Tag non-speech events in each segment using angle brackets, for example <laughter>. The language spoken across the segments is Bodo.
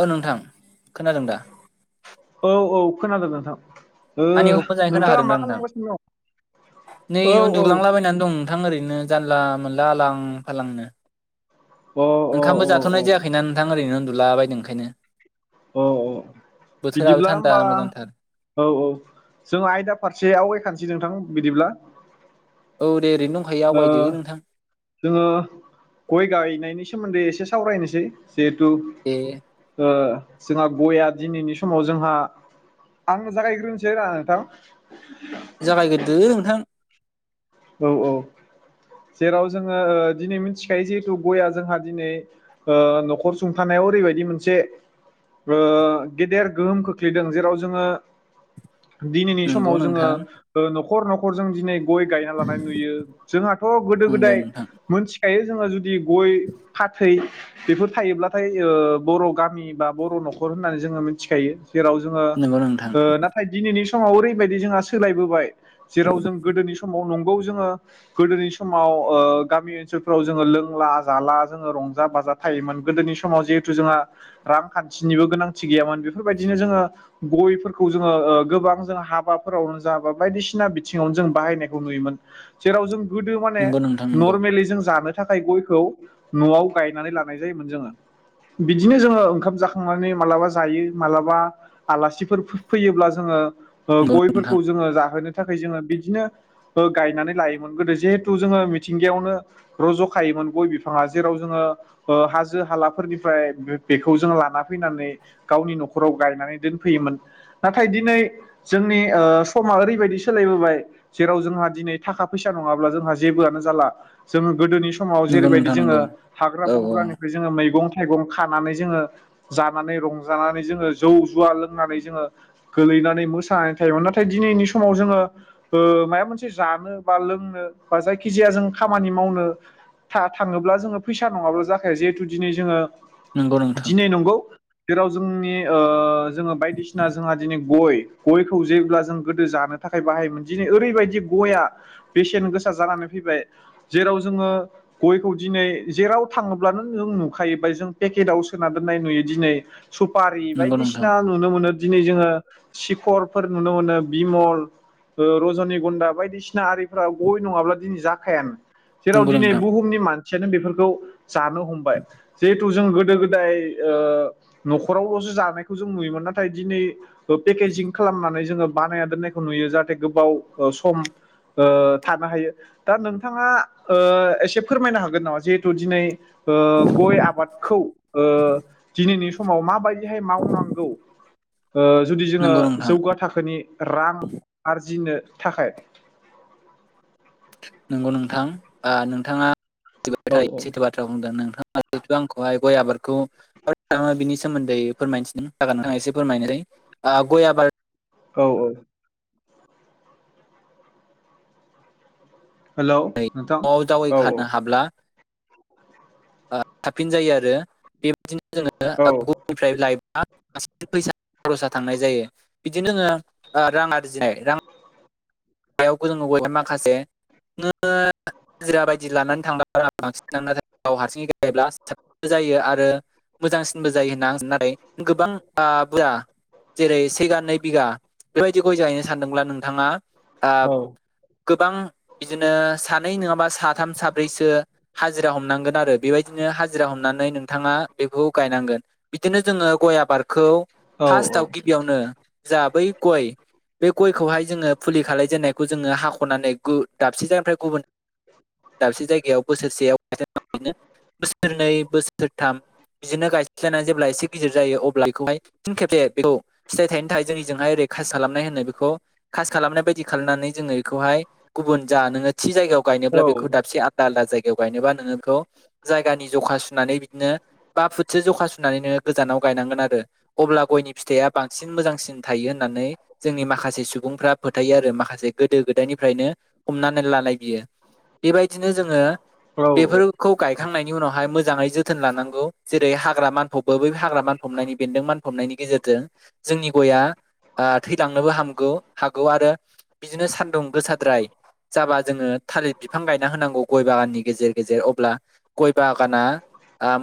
औ नोंथां खोनादों दा औ-औ खोनादों नोंथां ओ आंनिखौ मोजाङै नोंथाङा खोनाखादों मा दा नोंथां खालामगासिनो दं नै औ औ उनदुग्लांला बायनानै दं नोंथां ओरैनो जानला मोनला आलां फालांनो अ ओंखामबो अ अ जाथ'नाय जायाखैना नोंथां ओरैनो उन्दुलाबायदों ओंखायनो औ-औ बोथोराबो बिदिब्ला थान्दा होमबा मोजांथार औ-औ जों आयदा फारसे आवगायखानोसै नोंथां बिदिब्ला औ दे ओरैनो दंखायो ओ आवगायदो नोंथां जोङो गय गायनायनि सोमोन्दै एसे सावरायनोसै जिहेथु बे ओ जोंहा गया दिनैनि समाव जोंहा आं जागायग्रोनोसै आरोना नोंथां जागायग्रोदो नोंथां औ-औ जेराव जोङो दिनै मिथिखायो जिहेथु गया जोंहा दिनै ओ न'खर सुंथानायाव ओरैबायदि मोनसे गेदेर गोहोम खोख्लैदों जेराव जोङो दिनैनि नंगौ समाव जोङो नोंथां न'खर न'खर ज दिनै गय गाय नुयो जोंहाथ' गोदो नंगौ गोदाय नोंथां मिथिखायो जों जुद दि गय फाथै बेफोर थायोब्लाथाय बर' गामि बा बर' न'खर होननानै जोङो मिथिखायो जेराव जोङो नंगौ नोंथां ओ ना थाय दिनैनि समाव ओरैबायदि जोंहा सोलायबोबाय जेराव जों गोदोनि समाव नंगौ जोङो गोदोनि समाव गामि ओनसोलफोराव जोङो लोंला जाला जोङो रंजा बाजा थायोमोन गोदोनि समाव जिहेथु जोंहा रांखान्थिनिबो गोनांथि गैयामोन बेफोरबायदिनो जोङो गयफोरखौ जोङो गोबां जों हाबाफोरावनो जाबा बायदिसिना बिथिङावनो जों बाहायनायखौ नुयोमोन जेराव जों गोदो माने नंगौ नोंथां नंगौ नर्मेलि जों जानो थाखाय गयखौ न'आव गायनानै लानाय जायोमोन जोङो बिदिनो जोङो ओंखाम जाखांनानै माब्लाबा जायो मा्लाबा आलासिफोर फैयोब्ला जोङो नंगौ नोंथां गयफोरखौ जोङो जाहोनो थाखाय जोङो बिदिनो ओ गायनानै लायोमोन गोदो जिहेथु जोङो मिथिंगायावनो र' ज' खायोमोन गय बिफाङा जेराव जोङो हाजो हालाफोरनिफ्राय बेखौ जों लाना फैनानै गावनि न'खराव गायनानै दोनफैयोमोन नाथाय दिनै जोंनि समा ओरैबायदि सोलायबोबाय जेराव जोंहा दिनै थाखा फैसा नङाब्ला जोंहा जेबोआनो जाला। जोङो गोदोनि समाव नंगौ जेरैबायदि नोंथां जोङो नंगौ हाग्रा औ औ बंग्रानिफ्राय जोङो मैगं थाइगं खानानै जोङो। जानानै रंजानानै जोङो जौ जुवा लोंनानै जोङो गोलैनानै मोसानानै थायोमोन। नाथाय दिनैनि समाव जोङो ओ माबा मोनसे जानो बा लोंनो बा जायखिजाया जों खामानि मावनो। था-थाङोब्ला जोङो फैसा नङाब्ला जाखाया जेहेथु दिनै जोङो नंगौ नोंथां दिनै नंगौ जेराव जोंनि ओ जोङो बायदिसिना जोंहा दिनै गय गयखौ जेब्ला जों गोदो जानो थाखाय बाहायोमोन दिनै ओरैबायदि गया बेसेन गोसा जानानै फैबाय। जेराव जोङो गयखौ दिनै जेराव थाङोब्लानो जों नुखायो बा जों पेकेटआव सोना दोननाय नुयो दिनै। सुपारि नंगौ नोंथां बायदिसिना नु मोन दिनै जोङो सिखरफोर नुनो मोनो बिमल ओ रज'नि गन्दा। बायदिसिना आरिफोरा गय नङाब्ला दिनै जाखायानो। जेराव नंगौ दिनै नोंथां बुहुमनि मा एसेनो बेफोरखौ जानो हमबाय जे खौ, जों गोदो गोदाय ओ न'खरावल'सो जानायखौ जों नुयोमोन नाथाय दिनै ओ पेकेजिं खालामनानै जोङो बानायना दोननायखौ नुयो जाहाथे गोबाव ओ सम। ओ थानो हायो दा नोंथाङा ओ एसे फोरमायनो हागोन नामा जेहेथु दिनै ओ गय आबादखौ दिनैनि समाव माबायदिहाय मावनांगौ? ओ जुदि जोङो नंगौ नोंथां जौगा थाखोनि रां आरजिनो थाखाय नंगौ नोंथां ओ नोंथाङा औ औ थायो सैथोबा। <unintelligible> बुंदों नोंथाङा जिथु आंखौहाय गय आबादखौ बिनि सोमोन्दै फोरमायथिदों जागोन नोंथाङा एसे फोरमायनोसै ओ गय आबाद। औ औ। हेलौ नोंथां। न'आव जावै औ खानो हाब्ला ओ साबफिन जायो आरो बेबायदिनो जोङो औ <unintelligible> ओमफ्राय लायबा फैसा खरसा थांनाय जायो। बिदिनो जोङो ओ रां आरजिनाय रां। <unintelligible> यावबो जोंङो माखासे। हाजिरा बायदि लानानै थांब्ला बांसिननाव हारसिङै गायोब्ला साब जायो आरो मोजांसिनबो जायो होनना आं नाथाय गोबां ओ बुरजा। जेरै सेगा नैै बिगा बेबायदि गय जाहैनो सानदोंब्ला नोंथाङा ओ औ गोबां बिदिनो सानै नोङाबा साथाम साब्रैसो हाजिरा हमनांगोन आरो बेबायदिनो हाजिरा हमनानै नोंथाङा बेखौ गायनांगोन। बिदिनो जोङो गय आबारखौ फास्ताआव गिबियावनो जा बै गय बे गयखौहाय जोङो फुलि खालायजेननायखौ जोङो हाख'नानै दाबसे गु जानायनिफ्राय गुबुन दाबसे जायगायाव बोसोरसेयावनो बोसोरनै बोसोरथाम बिदिनो गाय <unintelligible> जेब्ला एसे गिदिर जायो अब्ला बेखौहाय फिन खेबसे बेखौ फिथाइ थायनो थाखाय जोंनिजोंहाय खासि खालामनाय होनो बेखौ। खासि खालामनाय बायदि खालायनानै जोङो इखौहाय गुबुन जा नोङो थि जायगायाव गायनोब्ला औ बेखौ दाबसे आलदा आलदा जायगायाव गायनोबा नोङो बेखौ जायगानि जखा सुनानै बिदिनो बा फुटसो जखा सुनानै नो गोजानाव गायनांगोन आरो। अब्ला गयनि फिथाइया बांसिन मोजांसिन थायो होननानै जोंनि माखासे सुबुंफ्रा फोथायो आरो माखासे गोदो गोदायनिफ्रायनो हमनानै लानाय बियो। बेबायदिनो जोङो औ बेफोर खौ गायखांनायनि उनावहाय मोजाङै जोथोन लानांगौ जेरै हाग्रा मानफबबो बै हाग्रा मानफबनायनि बेन्दों मान हमनायनि गेजेरजो जोंनि गया ओ थैदांनोबो हामगो हागौ आरो। बिदिनो सान्दुं गोसाद्राय जाबा जोङो थालिर बिफां गायना होनांगौ गय बागाननि गेजेर गेजेर अब्ला गय बागाना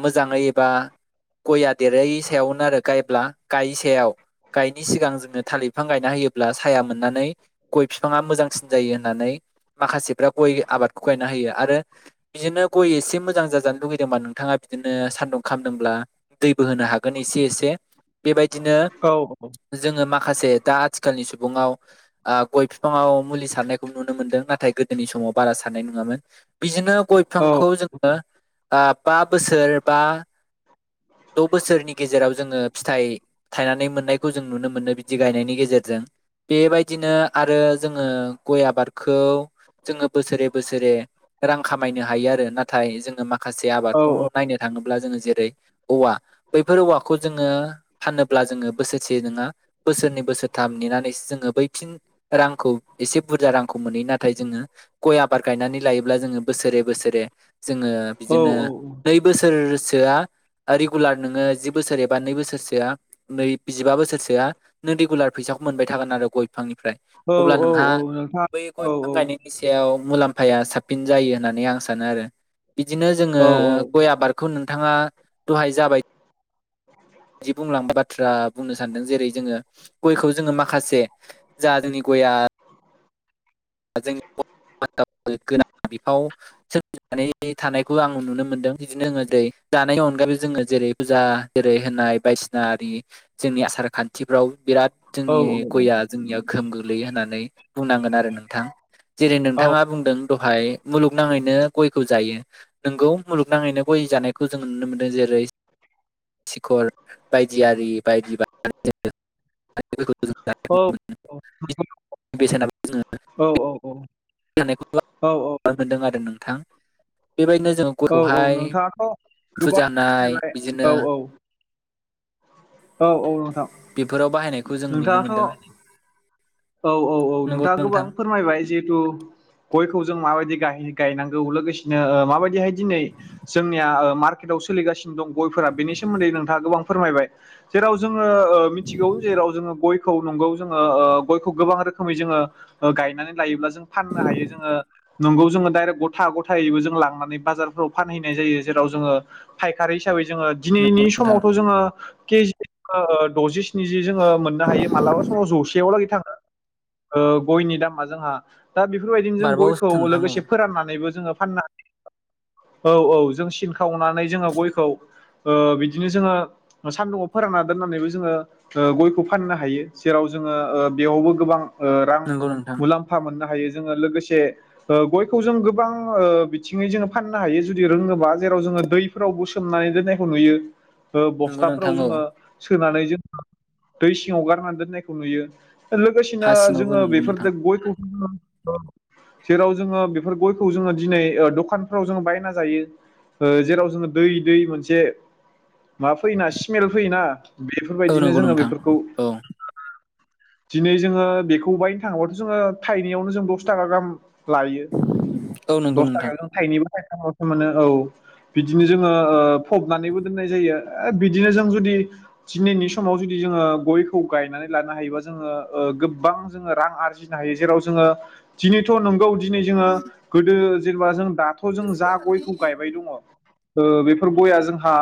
मोजाङै एबा गयया देरै सायावनो आरो गायब्ला गाय सायाव गायनि सिगां जोङो थालिर बिफां गायना होयोब्ला साया मोन। नानै गय बिफाङा मोजांसिन जायो होननानै माखासेफ्रा गय आबादखौ गायना होयो आरो। बिदिनो गय एसे मोजां जाजानो लुगैदोंबा नोंथाङा बिदिनो सान्दुं खालामादोंब्ला दै बो होनो हागोन एसे एसे बेबायदिनो औ औ। जोङो माखासे दा आथिखालनि सुबुं गय बिफाङाव मुलि सारनायखौ नुनो मोन्दों नाथाय गोदोनि समाव बारा सारनाय नङामोन। बिदिनो गय बिफांखौ जोङो बा बोसोर बा द' बोसोरनि गेजेराव जोङो फिथाइ थायनानै मोननायखौ जों नुनो मोनो बिदि गायनायनि गेजेरजों बेबायदिनो आरो जोङो गय आबादखौ जोङो बोसोरे बोसोरे रां खामायनो हायो आरो नाथाय जोङो माखासे औ आबादखौ नायनो थाङोब्ला जोङो जेरै औवा बैफोर औवाखौ जोङो फानोब्ला जोङो बोसोरसे नङा बोसोरनै बोसोरथाम नेनानैसो जोङो बै फिन रांखौ एसे बुरजा रांखौ मोनहैयो नाथाय जोङो गय आबाद गायनानै लायोब्ला जोङो बोसोरे बोसोरे जोङो औ बिदिनो नै बोसोरसोआ रेगुलार नोङो जि बोसोर एबा नै बोसोरसोआ नै जिबा बोसोरसोआ नों रेगुलार फैसाखौ मोनबाय थागोन आरो गय बिफांनिफ्राय औ अब्ला औ नोंहा औ नोंथां बै औ गय फां गायनायनि सायाव मुलाम्फाया साबसिन जायो होननानै आं सानो आरो बिदिनो जोङो औ गय आबादखौ नोंथाङा दहाय जाबाय। जि बुंलांबा बाथ्रा बुंनो सानदों जेरै जोङो गयखौ जोङो माखासे जा जादों गया जोंनि बर गोनां बिफाव <unintelligible> <inaudible> माने थानायखौ आं नुनो मोनदों बिदिनो आङो जानायनि अनगायैबो जोङो जेरै फुजा जेरै होननाय बायदिसिना आरि जोंनि आसार खान्थिफ्राव बिराद औ जोंनि गया जोंनियाव गोहोम गोग्लैयो होननानै बुंनांगोन आरो नों नोंथां जेरै नोंथाङा बुंदों दहाय मुलुगनाङैनो गयखौ जायो। नोंगौ मुलुगनाङैनो गय जानायखौ जोंङो नुनो मोनदों जेरै सिखर बायदियरि बायदि फोरखौ ज मोनो बेसेन जोङो <unintelligible> औ औ औ। खौ मोनदों आरो नोंथां बेबायदिनो जोङो औ औ गावहाय नोंथाङाथ' गोबां फुजा होनाय फैबाय बिदिनो औ औ औ नोंथां। बेफोराव बाहायनायखौ जों नुनो मोनदों नोंथाङाथ' औ औ औ नंगौ नोंथाङा गोबां नोंथां फोरमायबाय जिहेथु गयखौ जों माबायदि ग गायनांगौ लोगोसेनो माबायदिहाय दिनै जोंनिया मार्केटआव सोलिगासिनो दं गयफोरा बेनि सोमोन्दै नोंथाङा गोबां फोरमायबाय। जेराव जोङो मिथिगौ जेराव जोङो गयखौ नंगौ जोङो गयखौ गोबां रोखोमै जोङो गायनानै लायोब्ला जों फाननो हायो जोङो नोंगौ जोङो दडाइरेक्ट गथा गथायैबो जों लांनानै बाजारफोराव फानहैनाय जायो जेराव जोङो फायखारि हिसाबै जोङो नंगौ दिनैनि नोंथां समावथ' जोङो केजि द'जिस्निजि जोङो मोननो हायो मालाबा समाव जसेयावलाै थाङो गयनि दामा जोंहा दा बेफोरबायदिनो जों गयखौ बारबावोसो नोंथां औ लोगोसे फोराननानैबो जोङो फाननो औ-औ जों सिन खावनानै जोङो गयखौ बिदिनो जोङो सान्दुङाव फोरानना दोननानैबो जोङो गयखौ फाननो हायो जेराव जोङो बेयावबो गोबां रां नंगौ नोंथां मुलाम म्फा मोननो हायो जोङो लोगोसे गयखौ जों गोबां बिथिङै जोङो फाननो हायो जुदि रोङोबा जेराव जोङो दै फोरावबो सोमनानै दोननायखौ नुयो नंगौ नोंथां बस्थाफोराव औ जोङो सोनानै जोङो दै सिङाव गारनानै दोननायखौ नुयो हा लोगोसेनो सिङावबो जोङो नंगौ नोंथां बेफोरजों गयखौ <unintelligible> जेराव जोङो बेफोर गयखौ जोङो दिनै दखानफ्राव जोङो बायना जायो जेराव जोङो दै दै मोनसे माबा फैयोना इस्मेल फैयोना औ बेफोरबायदिनो नंगौ जोङो नोंथां बेफोरखौ औ दिनै जोङो बेखौ बायनो थाङोबाथ' जोङो थायनैयावनो जों दस थाखा गाहाम लायो औ नंगौ दस नोंथां थाखायाव जों थाइनैबो थाइ थामलसो मोनो औ बिदिनो जोङो फबनानैबो दोननाय जायो बिदिनो जों जुदि दिनैनि समाव जुदि जोङो गयखौ गायनानै लानो हायोबा जोङो गोबां जोङो रां आरजिनो हायो जेराव जोङो दिनैथ' नंगौ दिनै जोङो गोदो जेनेबा जों दाथ' जों जा गयखौ गायबाय दङ बेफोर गया जोंहा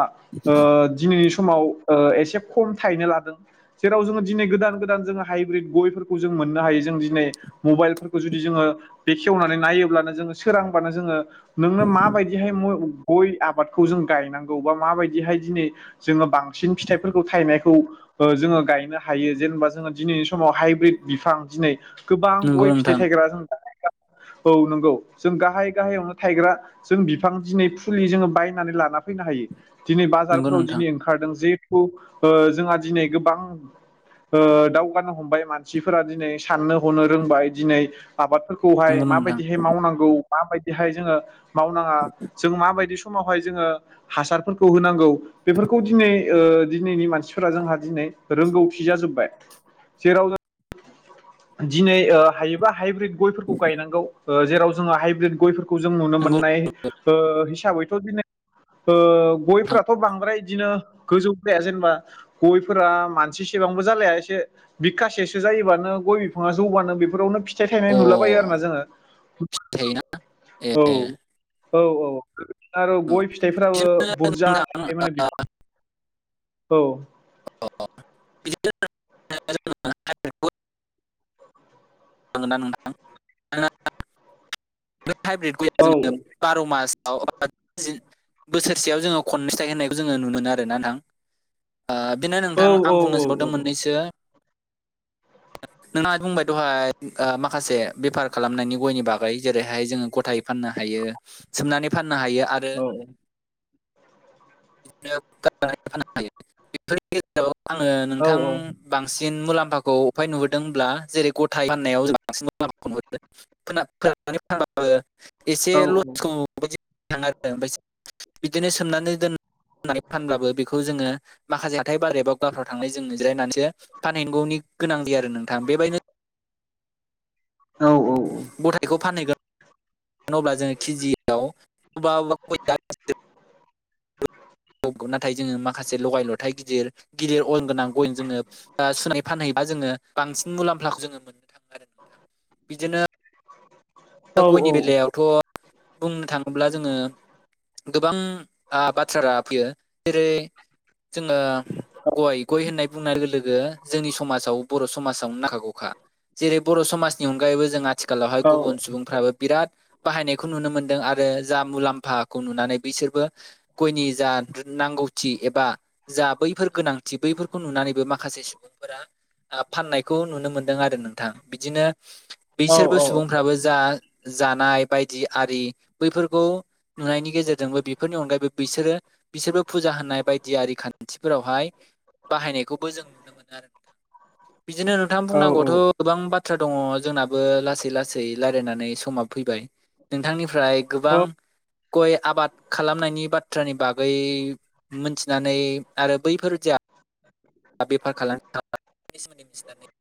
दिनैनि समाव एसे खम थाहैनो लादों जेराव जोङो दिनै गोदान गोदान जोङो हाइब्रिद गयफोरखौ जों मोननो हायो जों दिनै मबाइलफोरखौ जुदि जोङो बेखेवनानै नायोब्लानो जोङो सोरांबानो जोङो नोंनो माबायदिहाय गय आबादखौ जों गायनांगौ बा माबायदिहाय दिनै जोङो बांसिन फिथाइफोरखौ थायनायखौ ओ जोङो गायनो हायो जेनेबा जोङो दिनैनि समाव हाइब्रिद बिफां दिनै गोबां नंगौ गय फिथाइ नोंथां थायग्रा जों औ नंगौ जों गाहाय गाहायावनो थायग्रा जों बिफां दिनै फुलि जोङो बायनानै लाना फैनो हायो दिनै नंगौ बाजारफ्राव नोंथां दिनै ओंखारदों जिहेथु जोंहा दिनै गोबां दावगानो हमबाय मानसिफोरा दिनै साननो हनो रोंबाय दिनै आबादफोरखौ खौहाय नंगौ नोंथां माबायदिहाय मावनांगौ माबायदिहाय जोङो मावनाङा जों माबायदि समावहाय जोङो हासारफोरखौ होनांगौ बेफोरखौ दिनै दिनैनि मानसिफोरा जोंहा दिनै रोंगौथि जाजोब्बाय जेराव जों दिनै हायोबा हाइब्रिद गयफोरखौ गायनांगौ जेराव जोङो हाइब्रिद गयफोरखौ खौ जों नुनो नंगौ नोंथां मोननाय हिसाबैथ' ओ दिनै ओ गयफोराथ' बांद्राय इदिनो गोजौ फाया जेनेबा गयफोरा मानसिसेबांबो जालाया एसे बिखासेसो जायोबानो गय बिफाङा जौबानो बेफोरावनो फि फिथाइ थायनाय अ नुलाबायो आरोना जोङो थायोना ए औ औ-औ आरो औ गय फिथाइफ्राबो बिदिनो बुरजा थायो माने नोंथां बिफां औ बिदिनो <unintelligible> हागोनना नोंथां <unintelligible> हाइब्रिद गया औ जोङो बार' मासाव बोसोरसेयाव जोङो खनै फिथाइ होनायखौ जोङो नुनो मोन आरोना नोंथां बेनो नोंथां औ आं औ बुंनो सोंबावदों मोननैसो नोंहा बुंबाय दहाय माखासे बेफार खालामनायनि गयनि बागै जेरैहाय जोङो गथाय फाननो हायो सोमनानै फाननो हायो आरो औ बिदिनो फनो हायो बेफोरनि गेजेराव आङो औ नोंथां औ बांसिन मुलाम्फाखौ अफाय नुहुरदोंब्ला जेरै गथाय फान्नायाव जों बांसिन मुलाम्फाखौ नुहुरदों खोन खोनानानै फानाबो एसे औ औ लसखौ ब थाङो आरो ओमफ्राय <unintelligible> बिदिनो सोमनानै दोननानै फानब्लाबो बेखौ जोङो माखासे हाथाय बाजार एबा गलाफ्राव थांनानै जों जिरायनानै फानहैनांगौनि गोनां आरो नोंथां बेबायदिनो औ गथायखौ फानहैगोन अब्ला जोङो केजियाव अबेबा अबेबा गया <unintelligible> <unintelligible> नाथाय जोङो माखासे लगाय लथाइ गिदिर गिदिर अजन गोनां गय जोङो बा सुनाय फानहैबा जोङो बांसिन मुलाम्फाखौ जोङो मोनो बिदिनो दा गयनि बेलायावथ' बुंनो थाङोब्ला जोङो गोबां बाथ्रा फैयो जेरै जोङो गय गय होननाय बुंनाय लोगो लोगो जोंनि समाजाव बर' समाजावनो नांखागौखा जेरै बर' समाजनि अनगायैबो जोंहा आथिखालावहाय गुबुन सुबुं फोराबो बिराद बाहायनायखौ नुनो मोन्दों आरो जा मुलाम्फाखौ नुनानै बिसोरबो गयनि जा नांगौथि एबा जा बैफोर गोनांथि बैफोर खौ नुनानैबो माखासे सुबुं फोरा फाननायखौ नुनो मोनदों आरो नोंथां बिदिनो औ बैसोरबो औ सुबुंफ्राबो जा जानाय बायदि आरि बैफोरखौ नुनायनि गेजेरजोंबो बेफोरनि अनगायैबो बिसोरो बिसोरबो फुजा होननाय बायदि आरि खान्थिफोरावहाय बाहायनायखौबो जों नुनो मोनो आरो बिदिनो नोंथां औ बुंनांगौआथ' गोबां बाथ्रा दङ जोंनाबो लासै लासै रायलायनानै समा फैबाय नोंथांनिफ्राय अ गोबां गय आबाद खालामनायनि बाथ्रानि बागै मोनथिनानै आरो बैफोर जा जा बेफार फालांगि खालामनानै बैफोरनि सोमोन्दै मिथिनानै <unintelligible>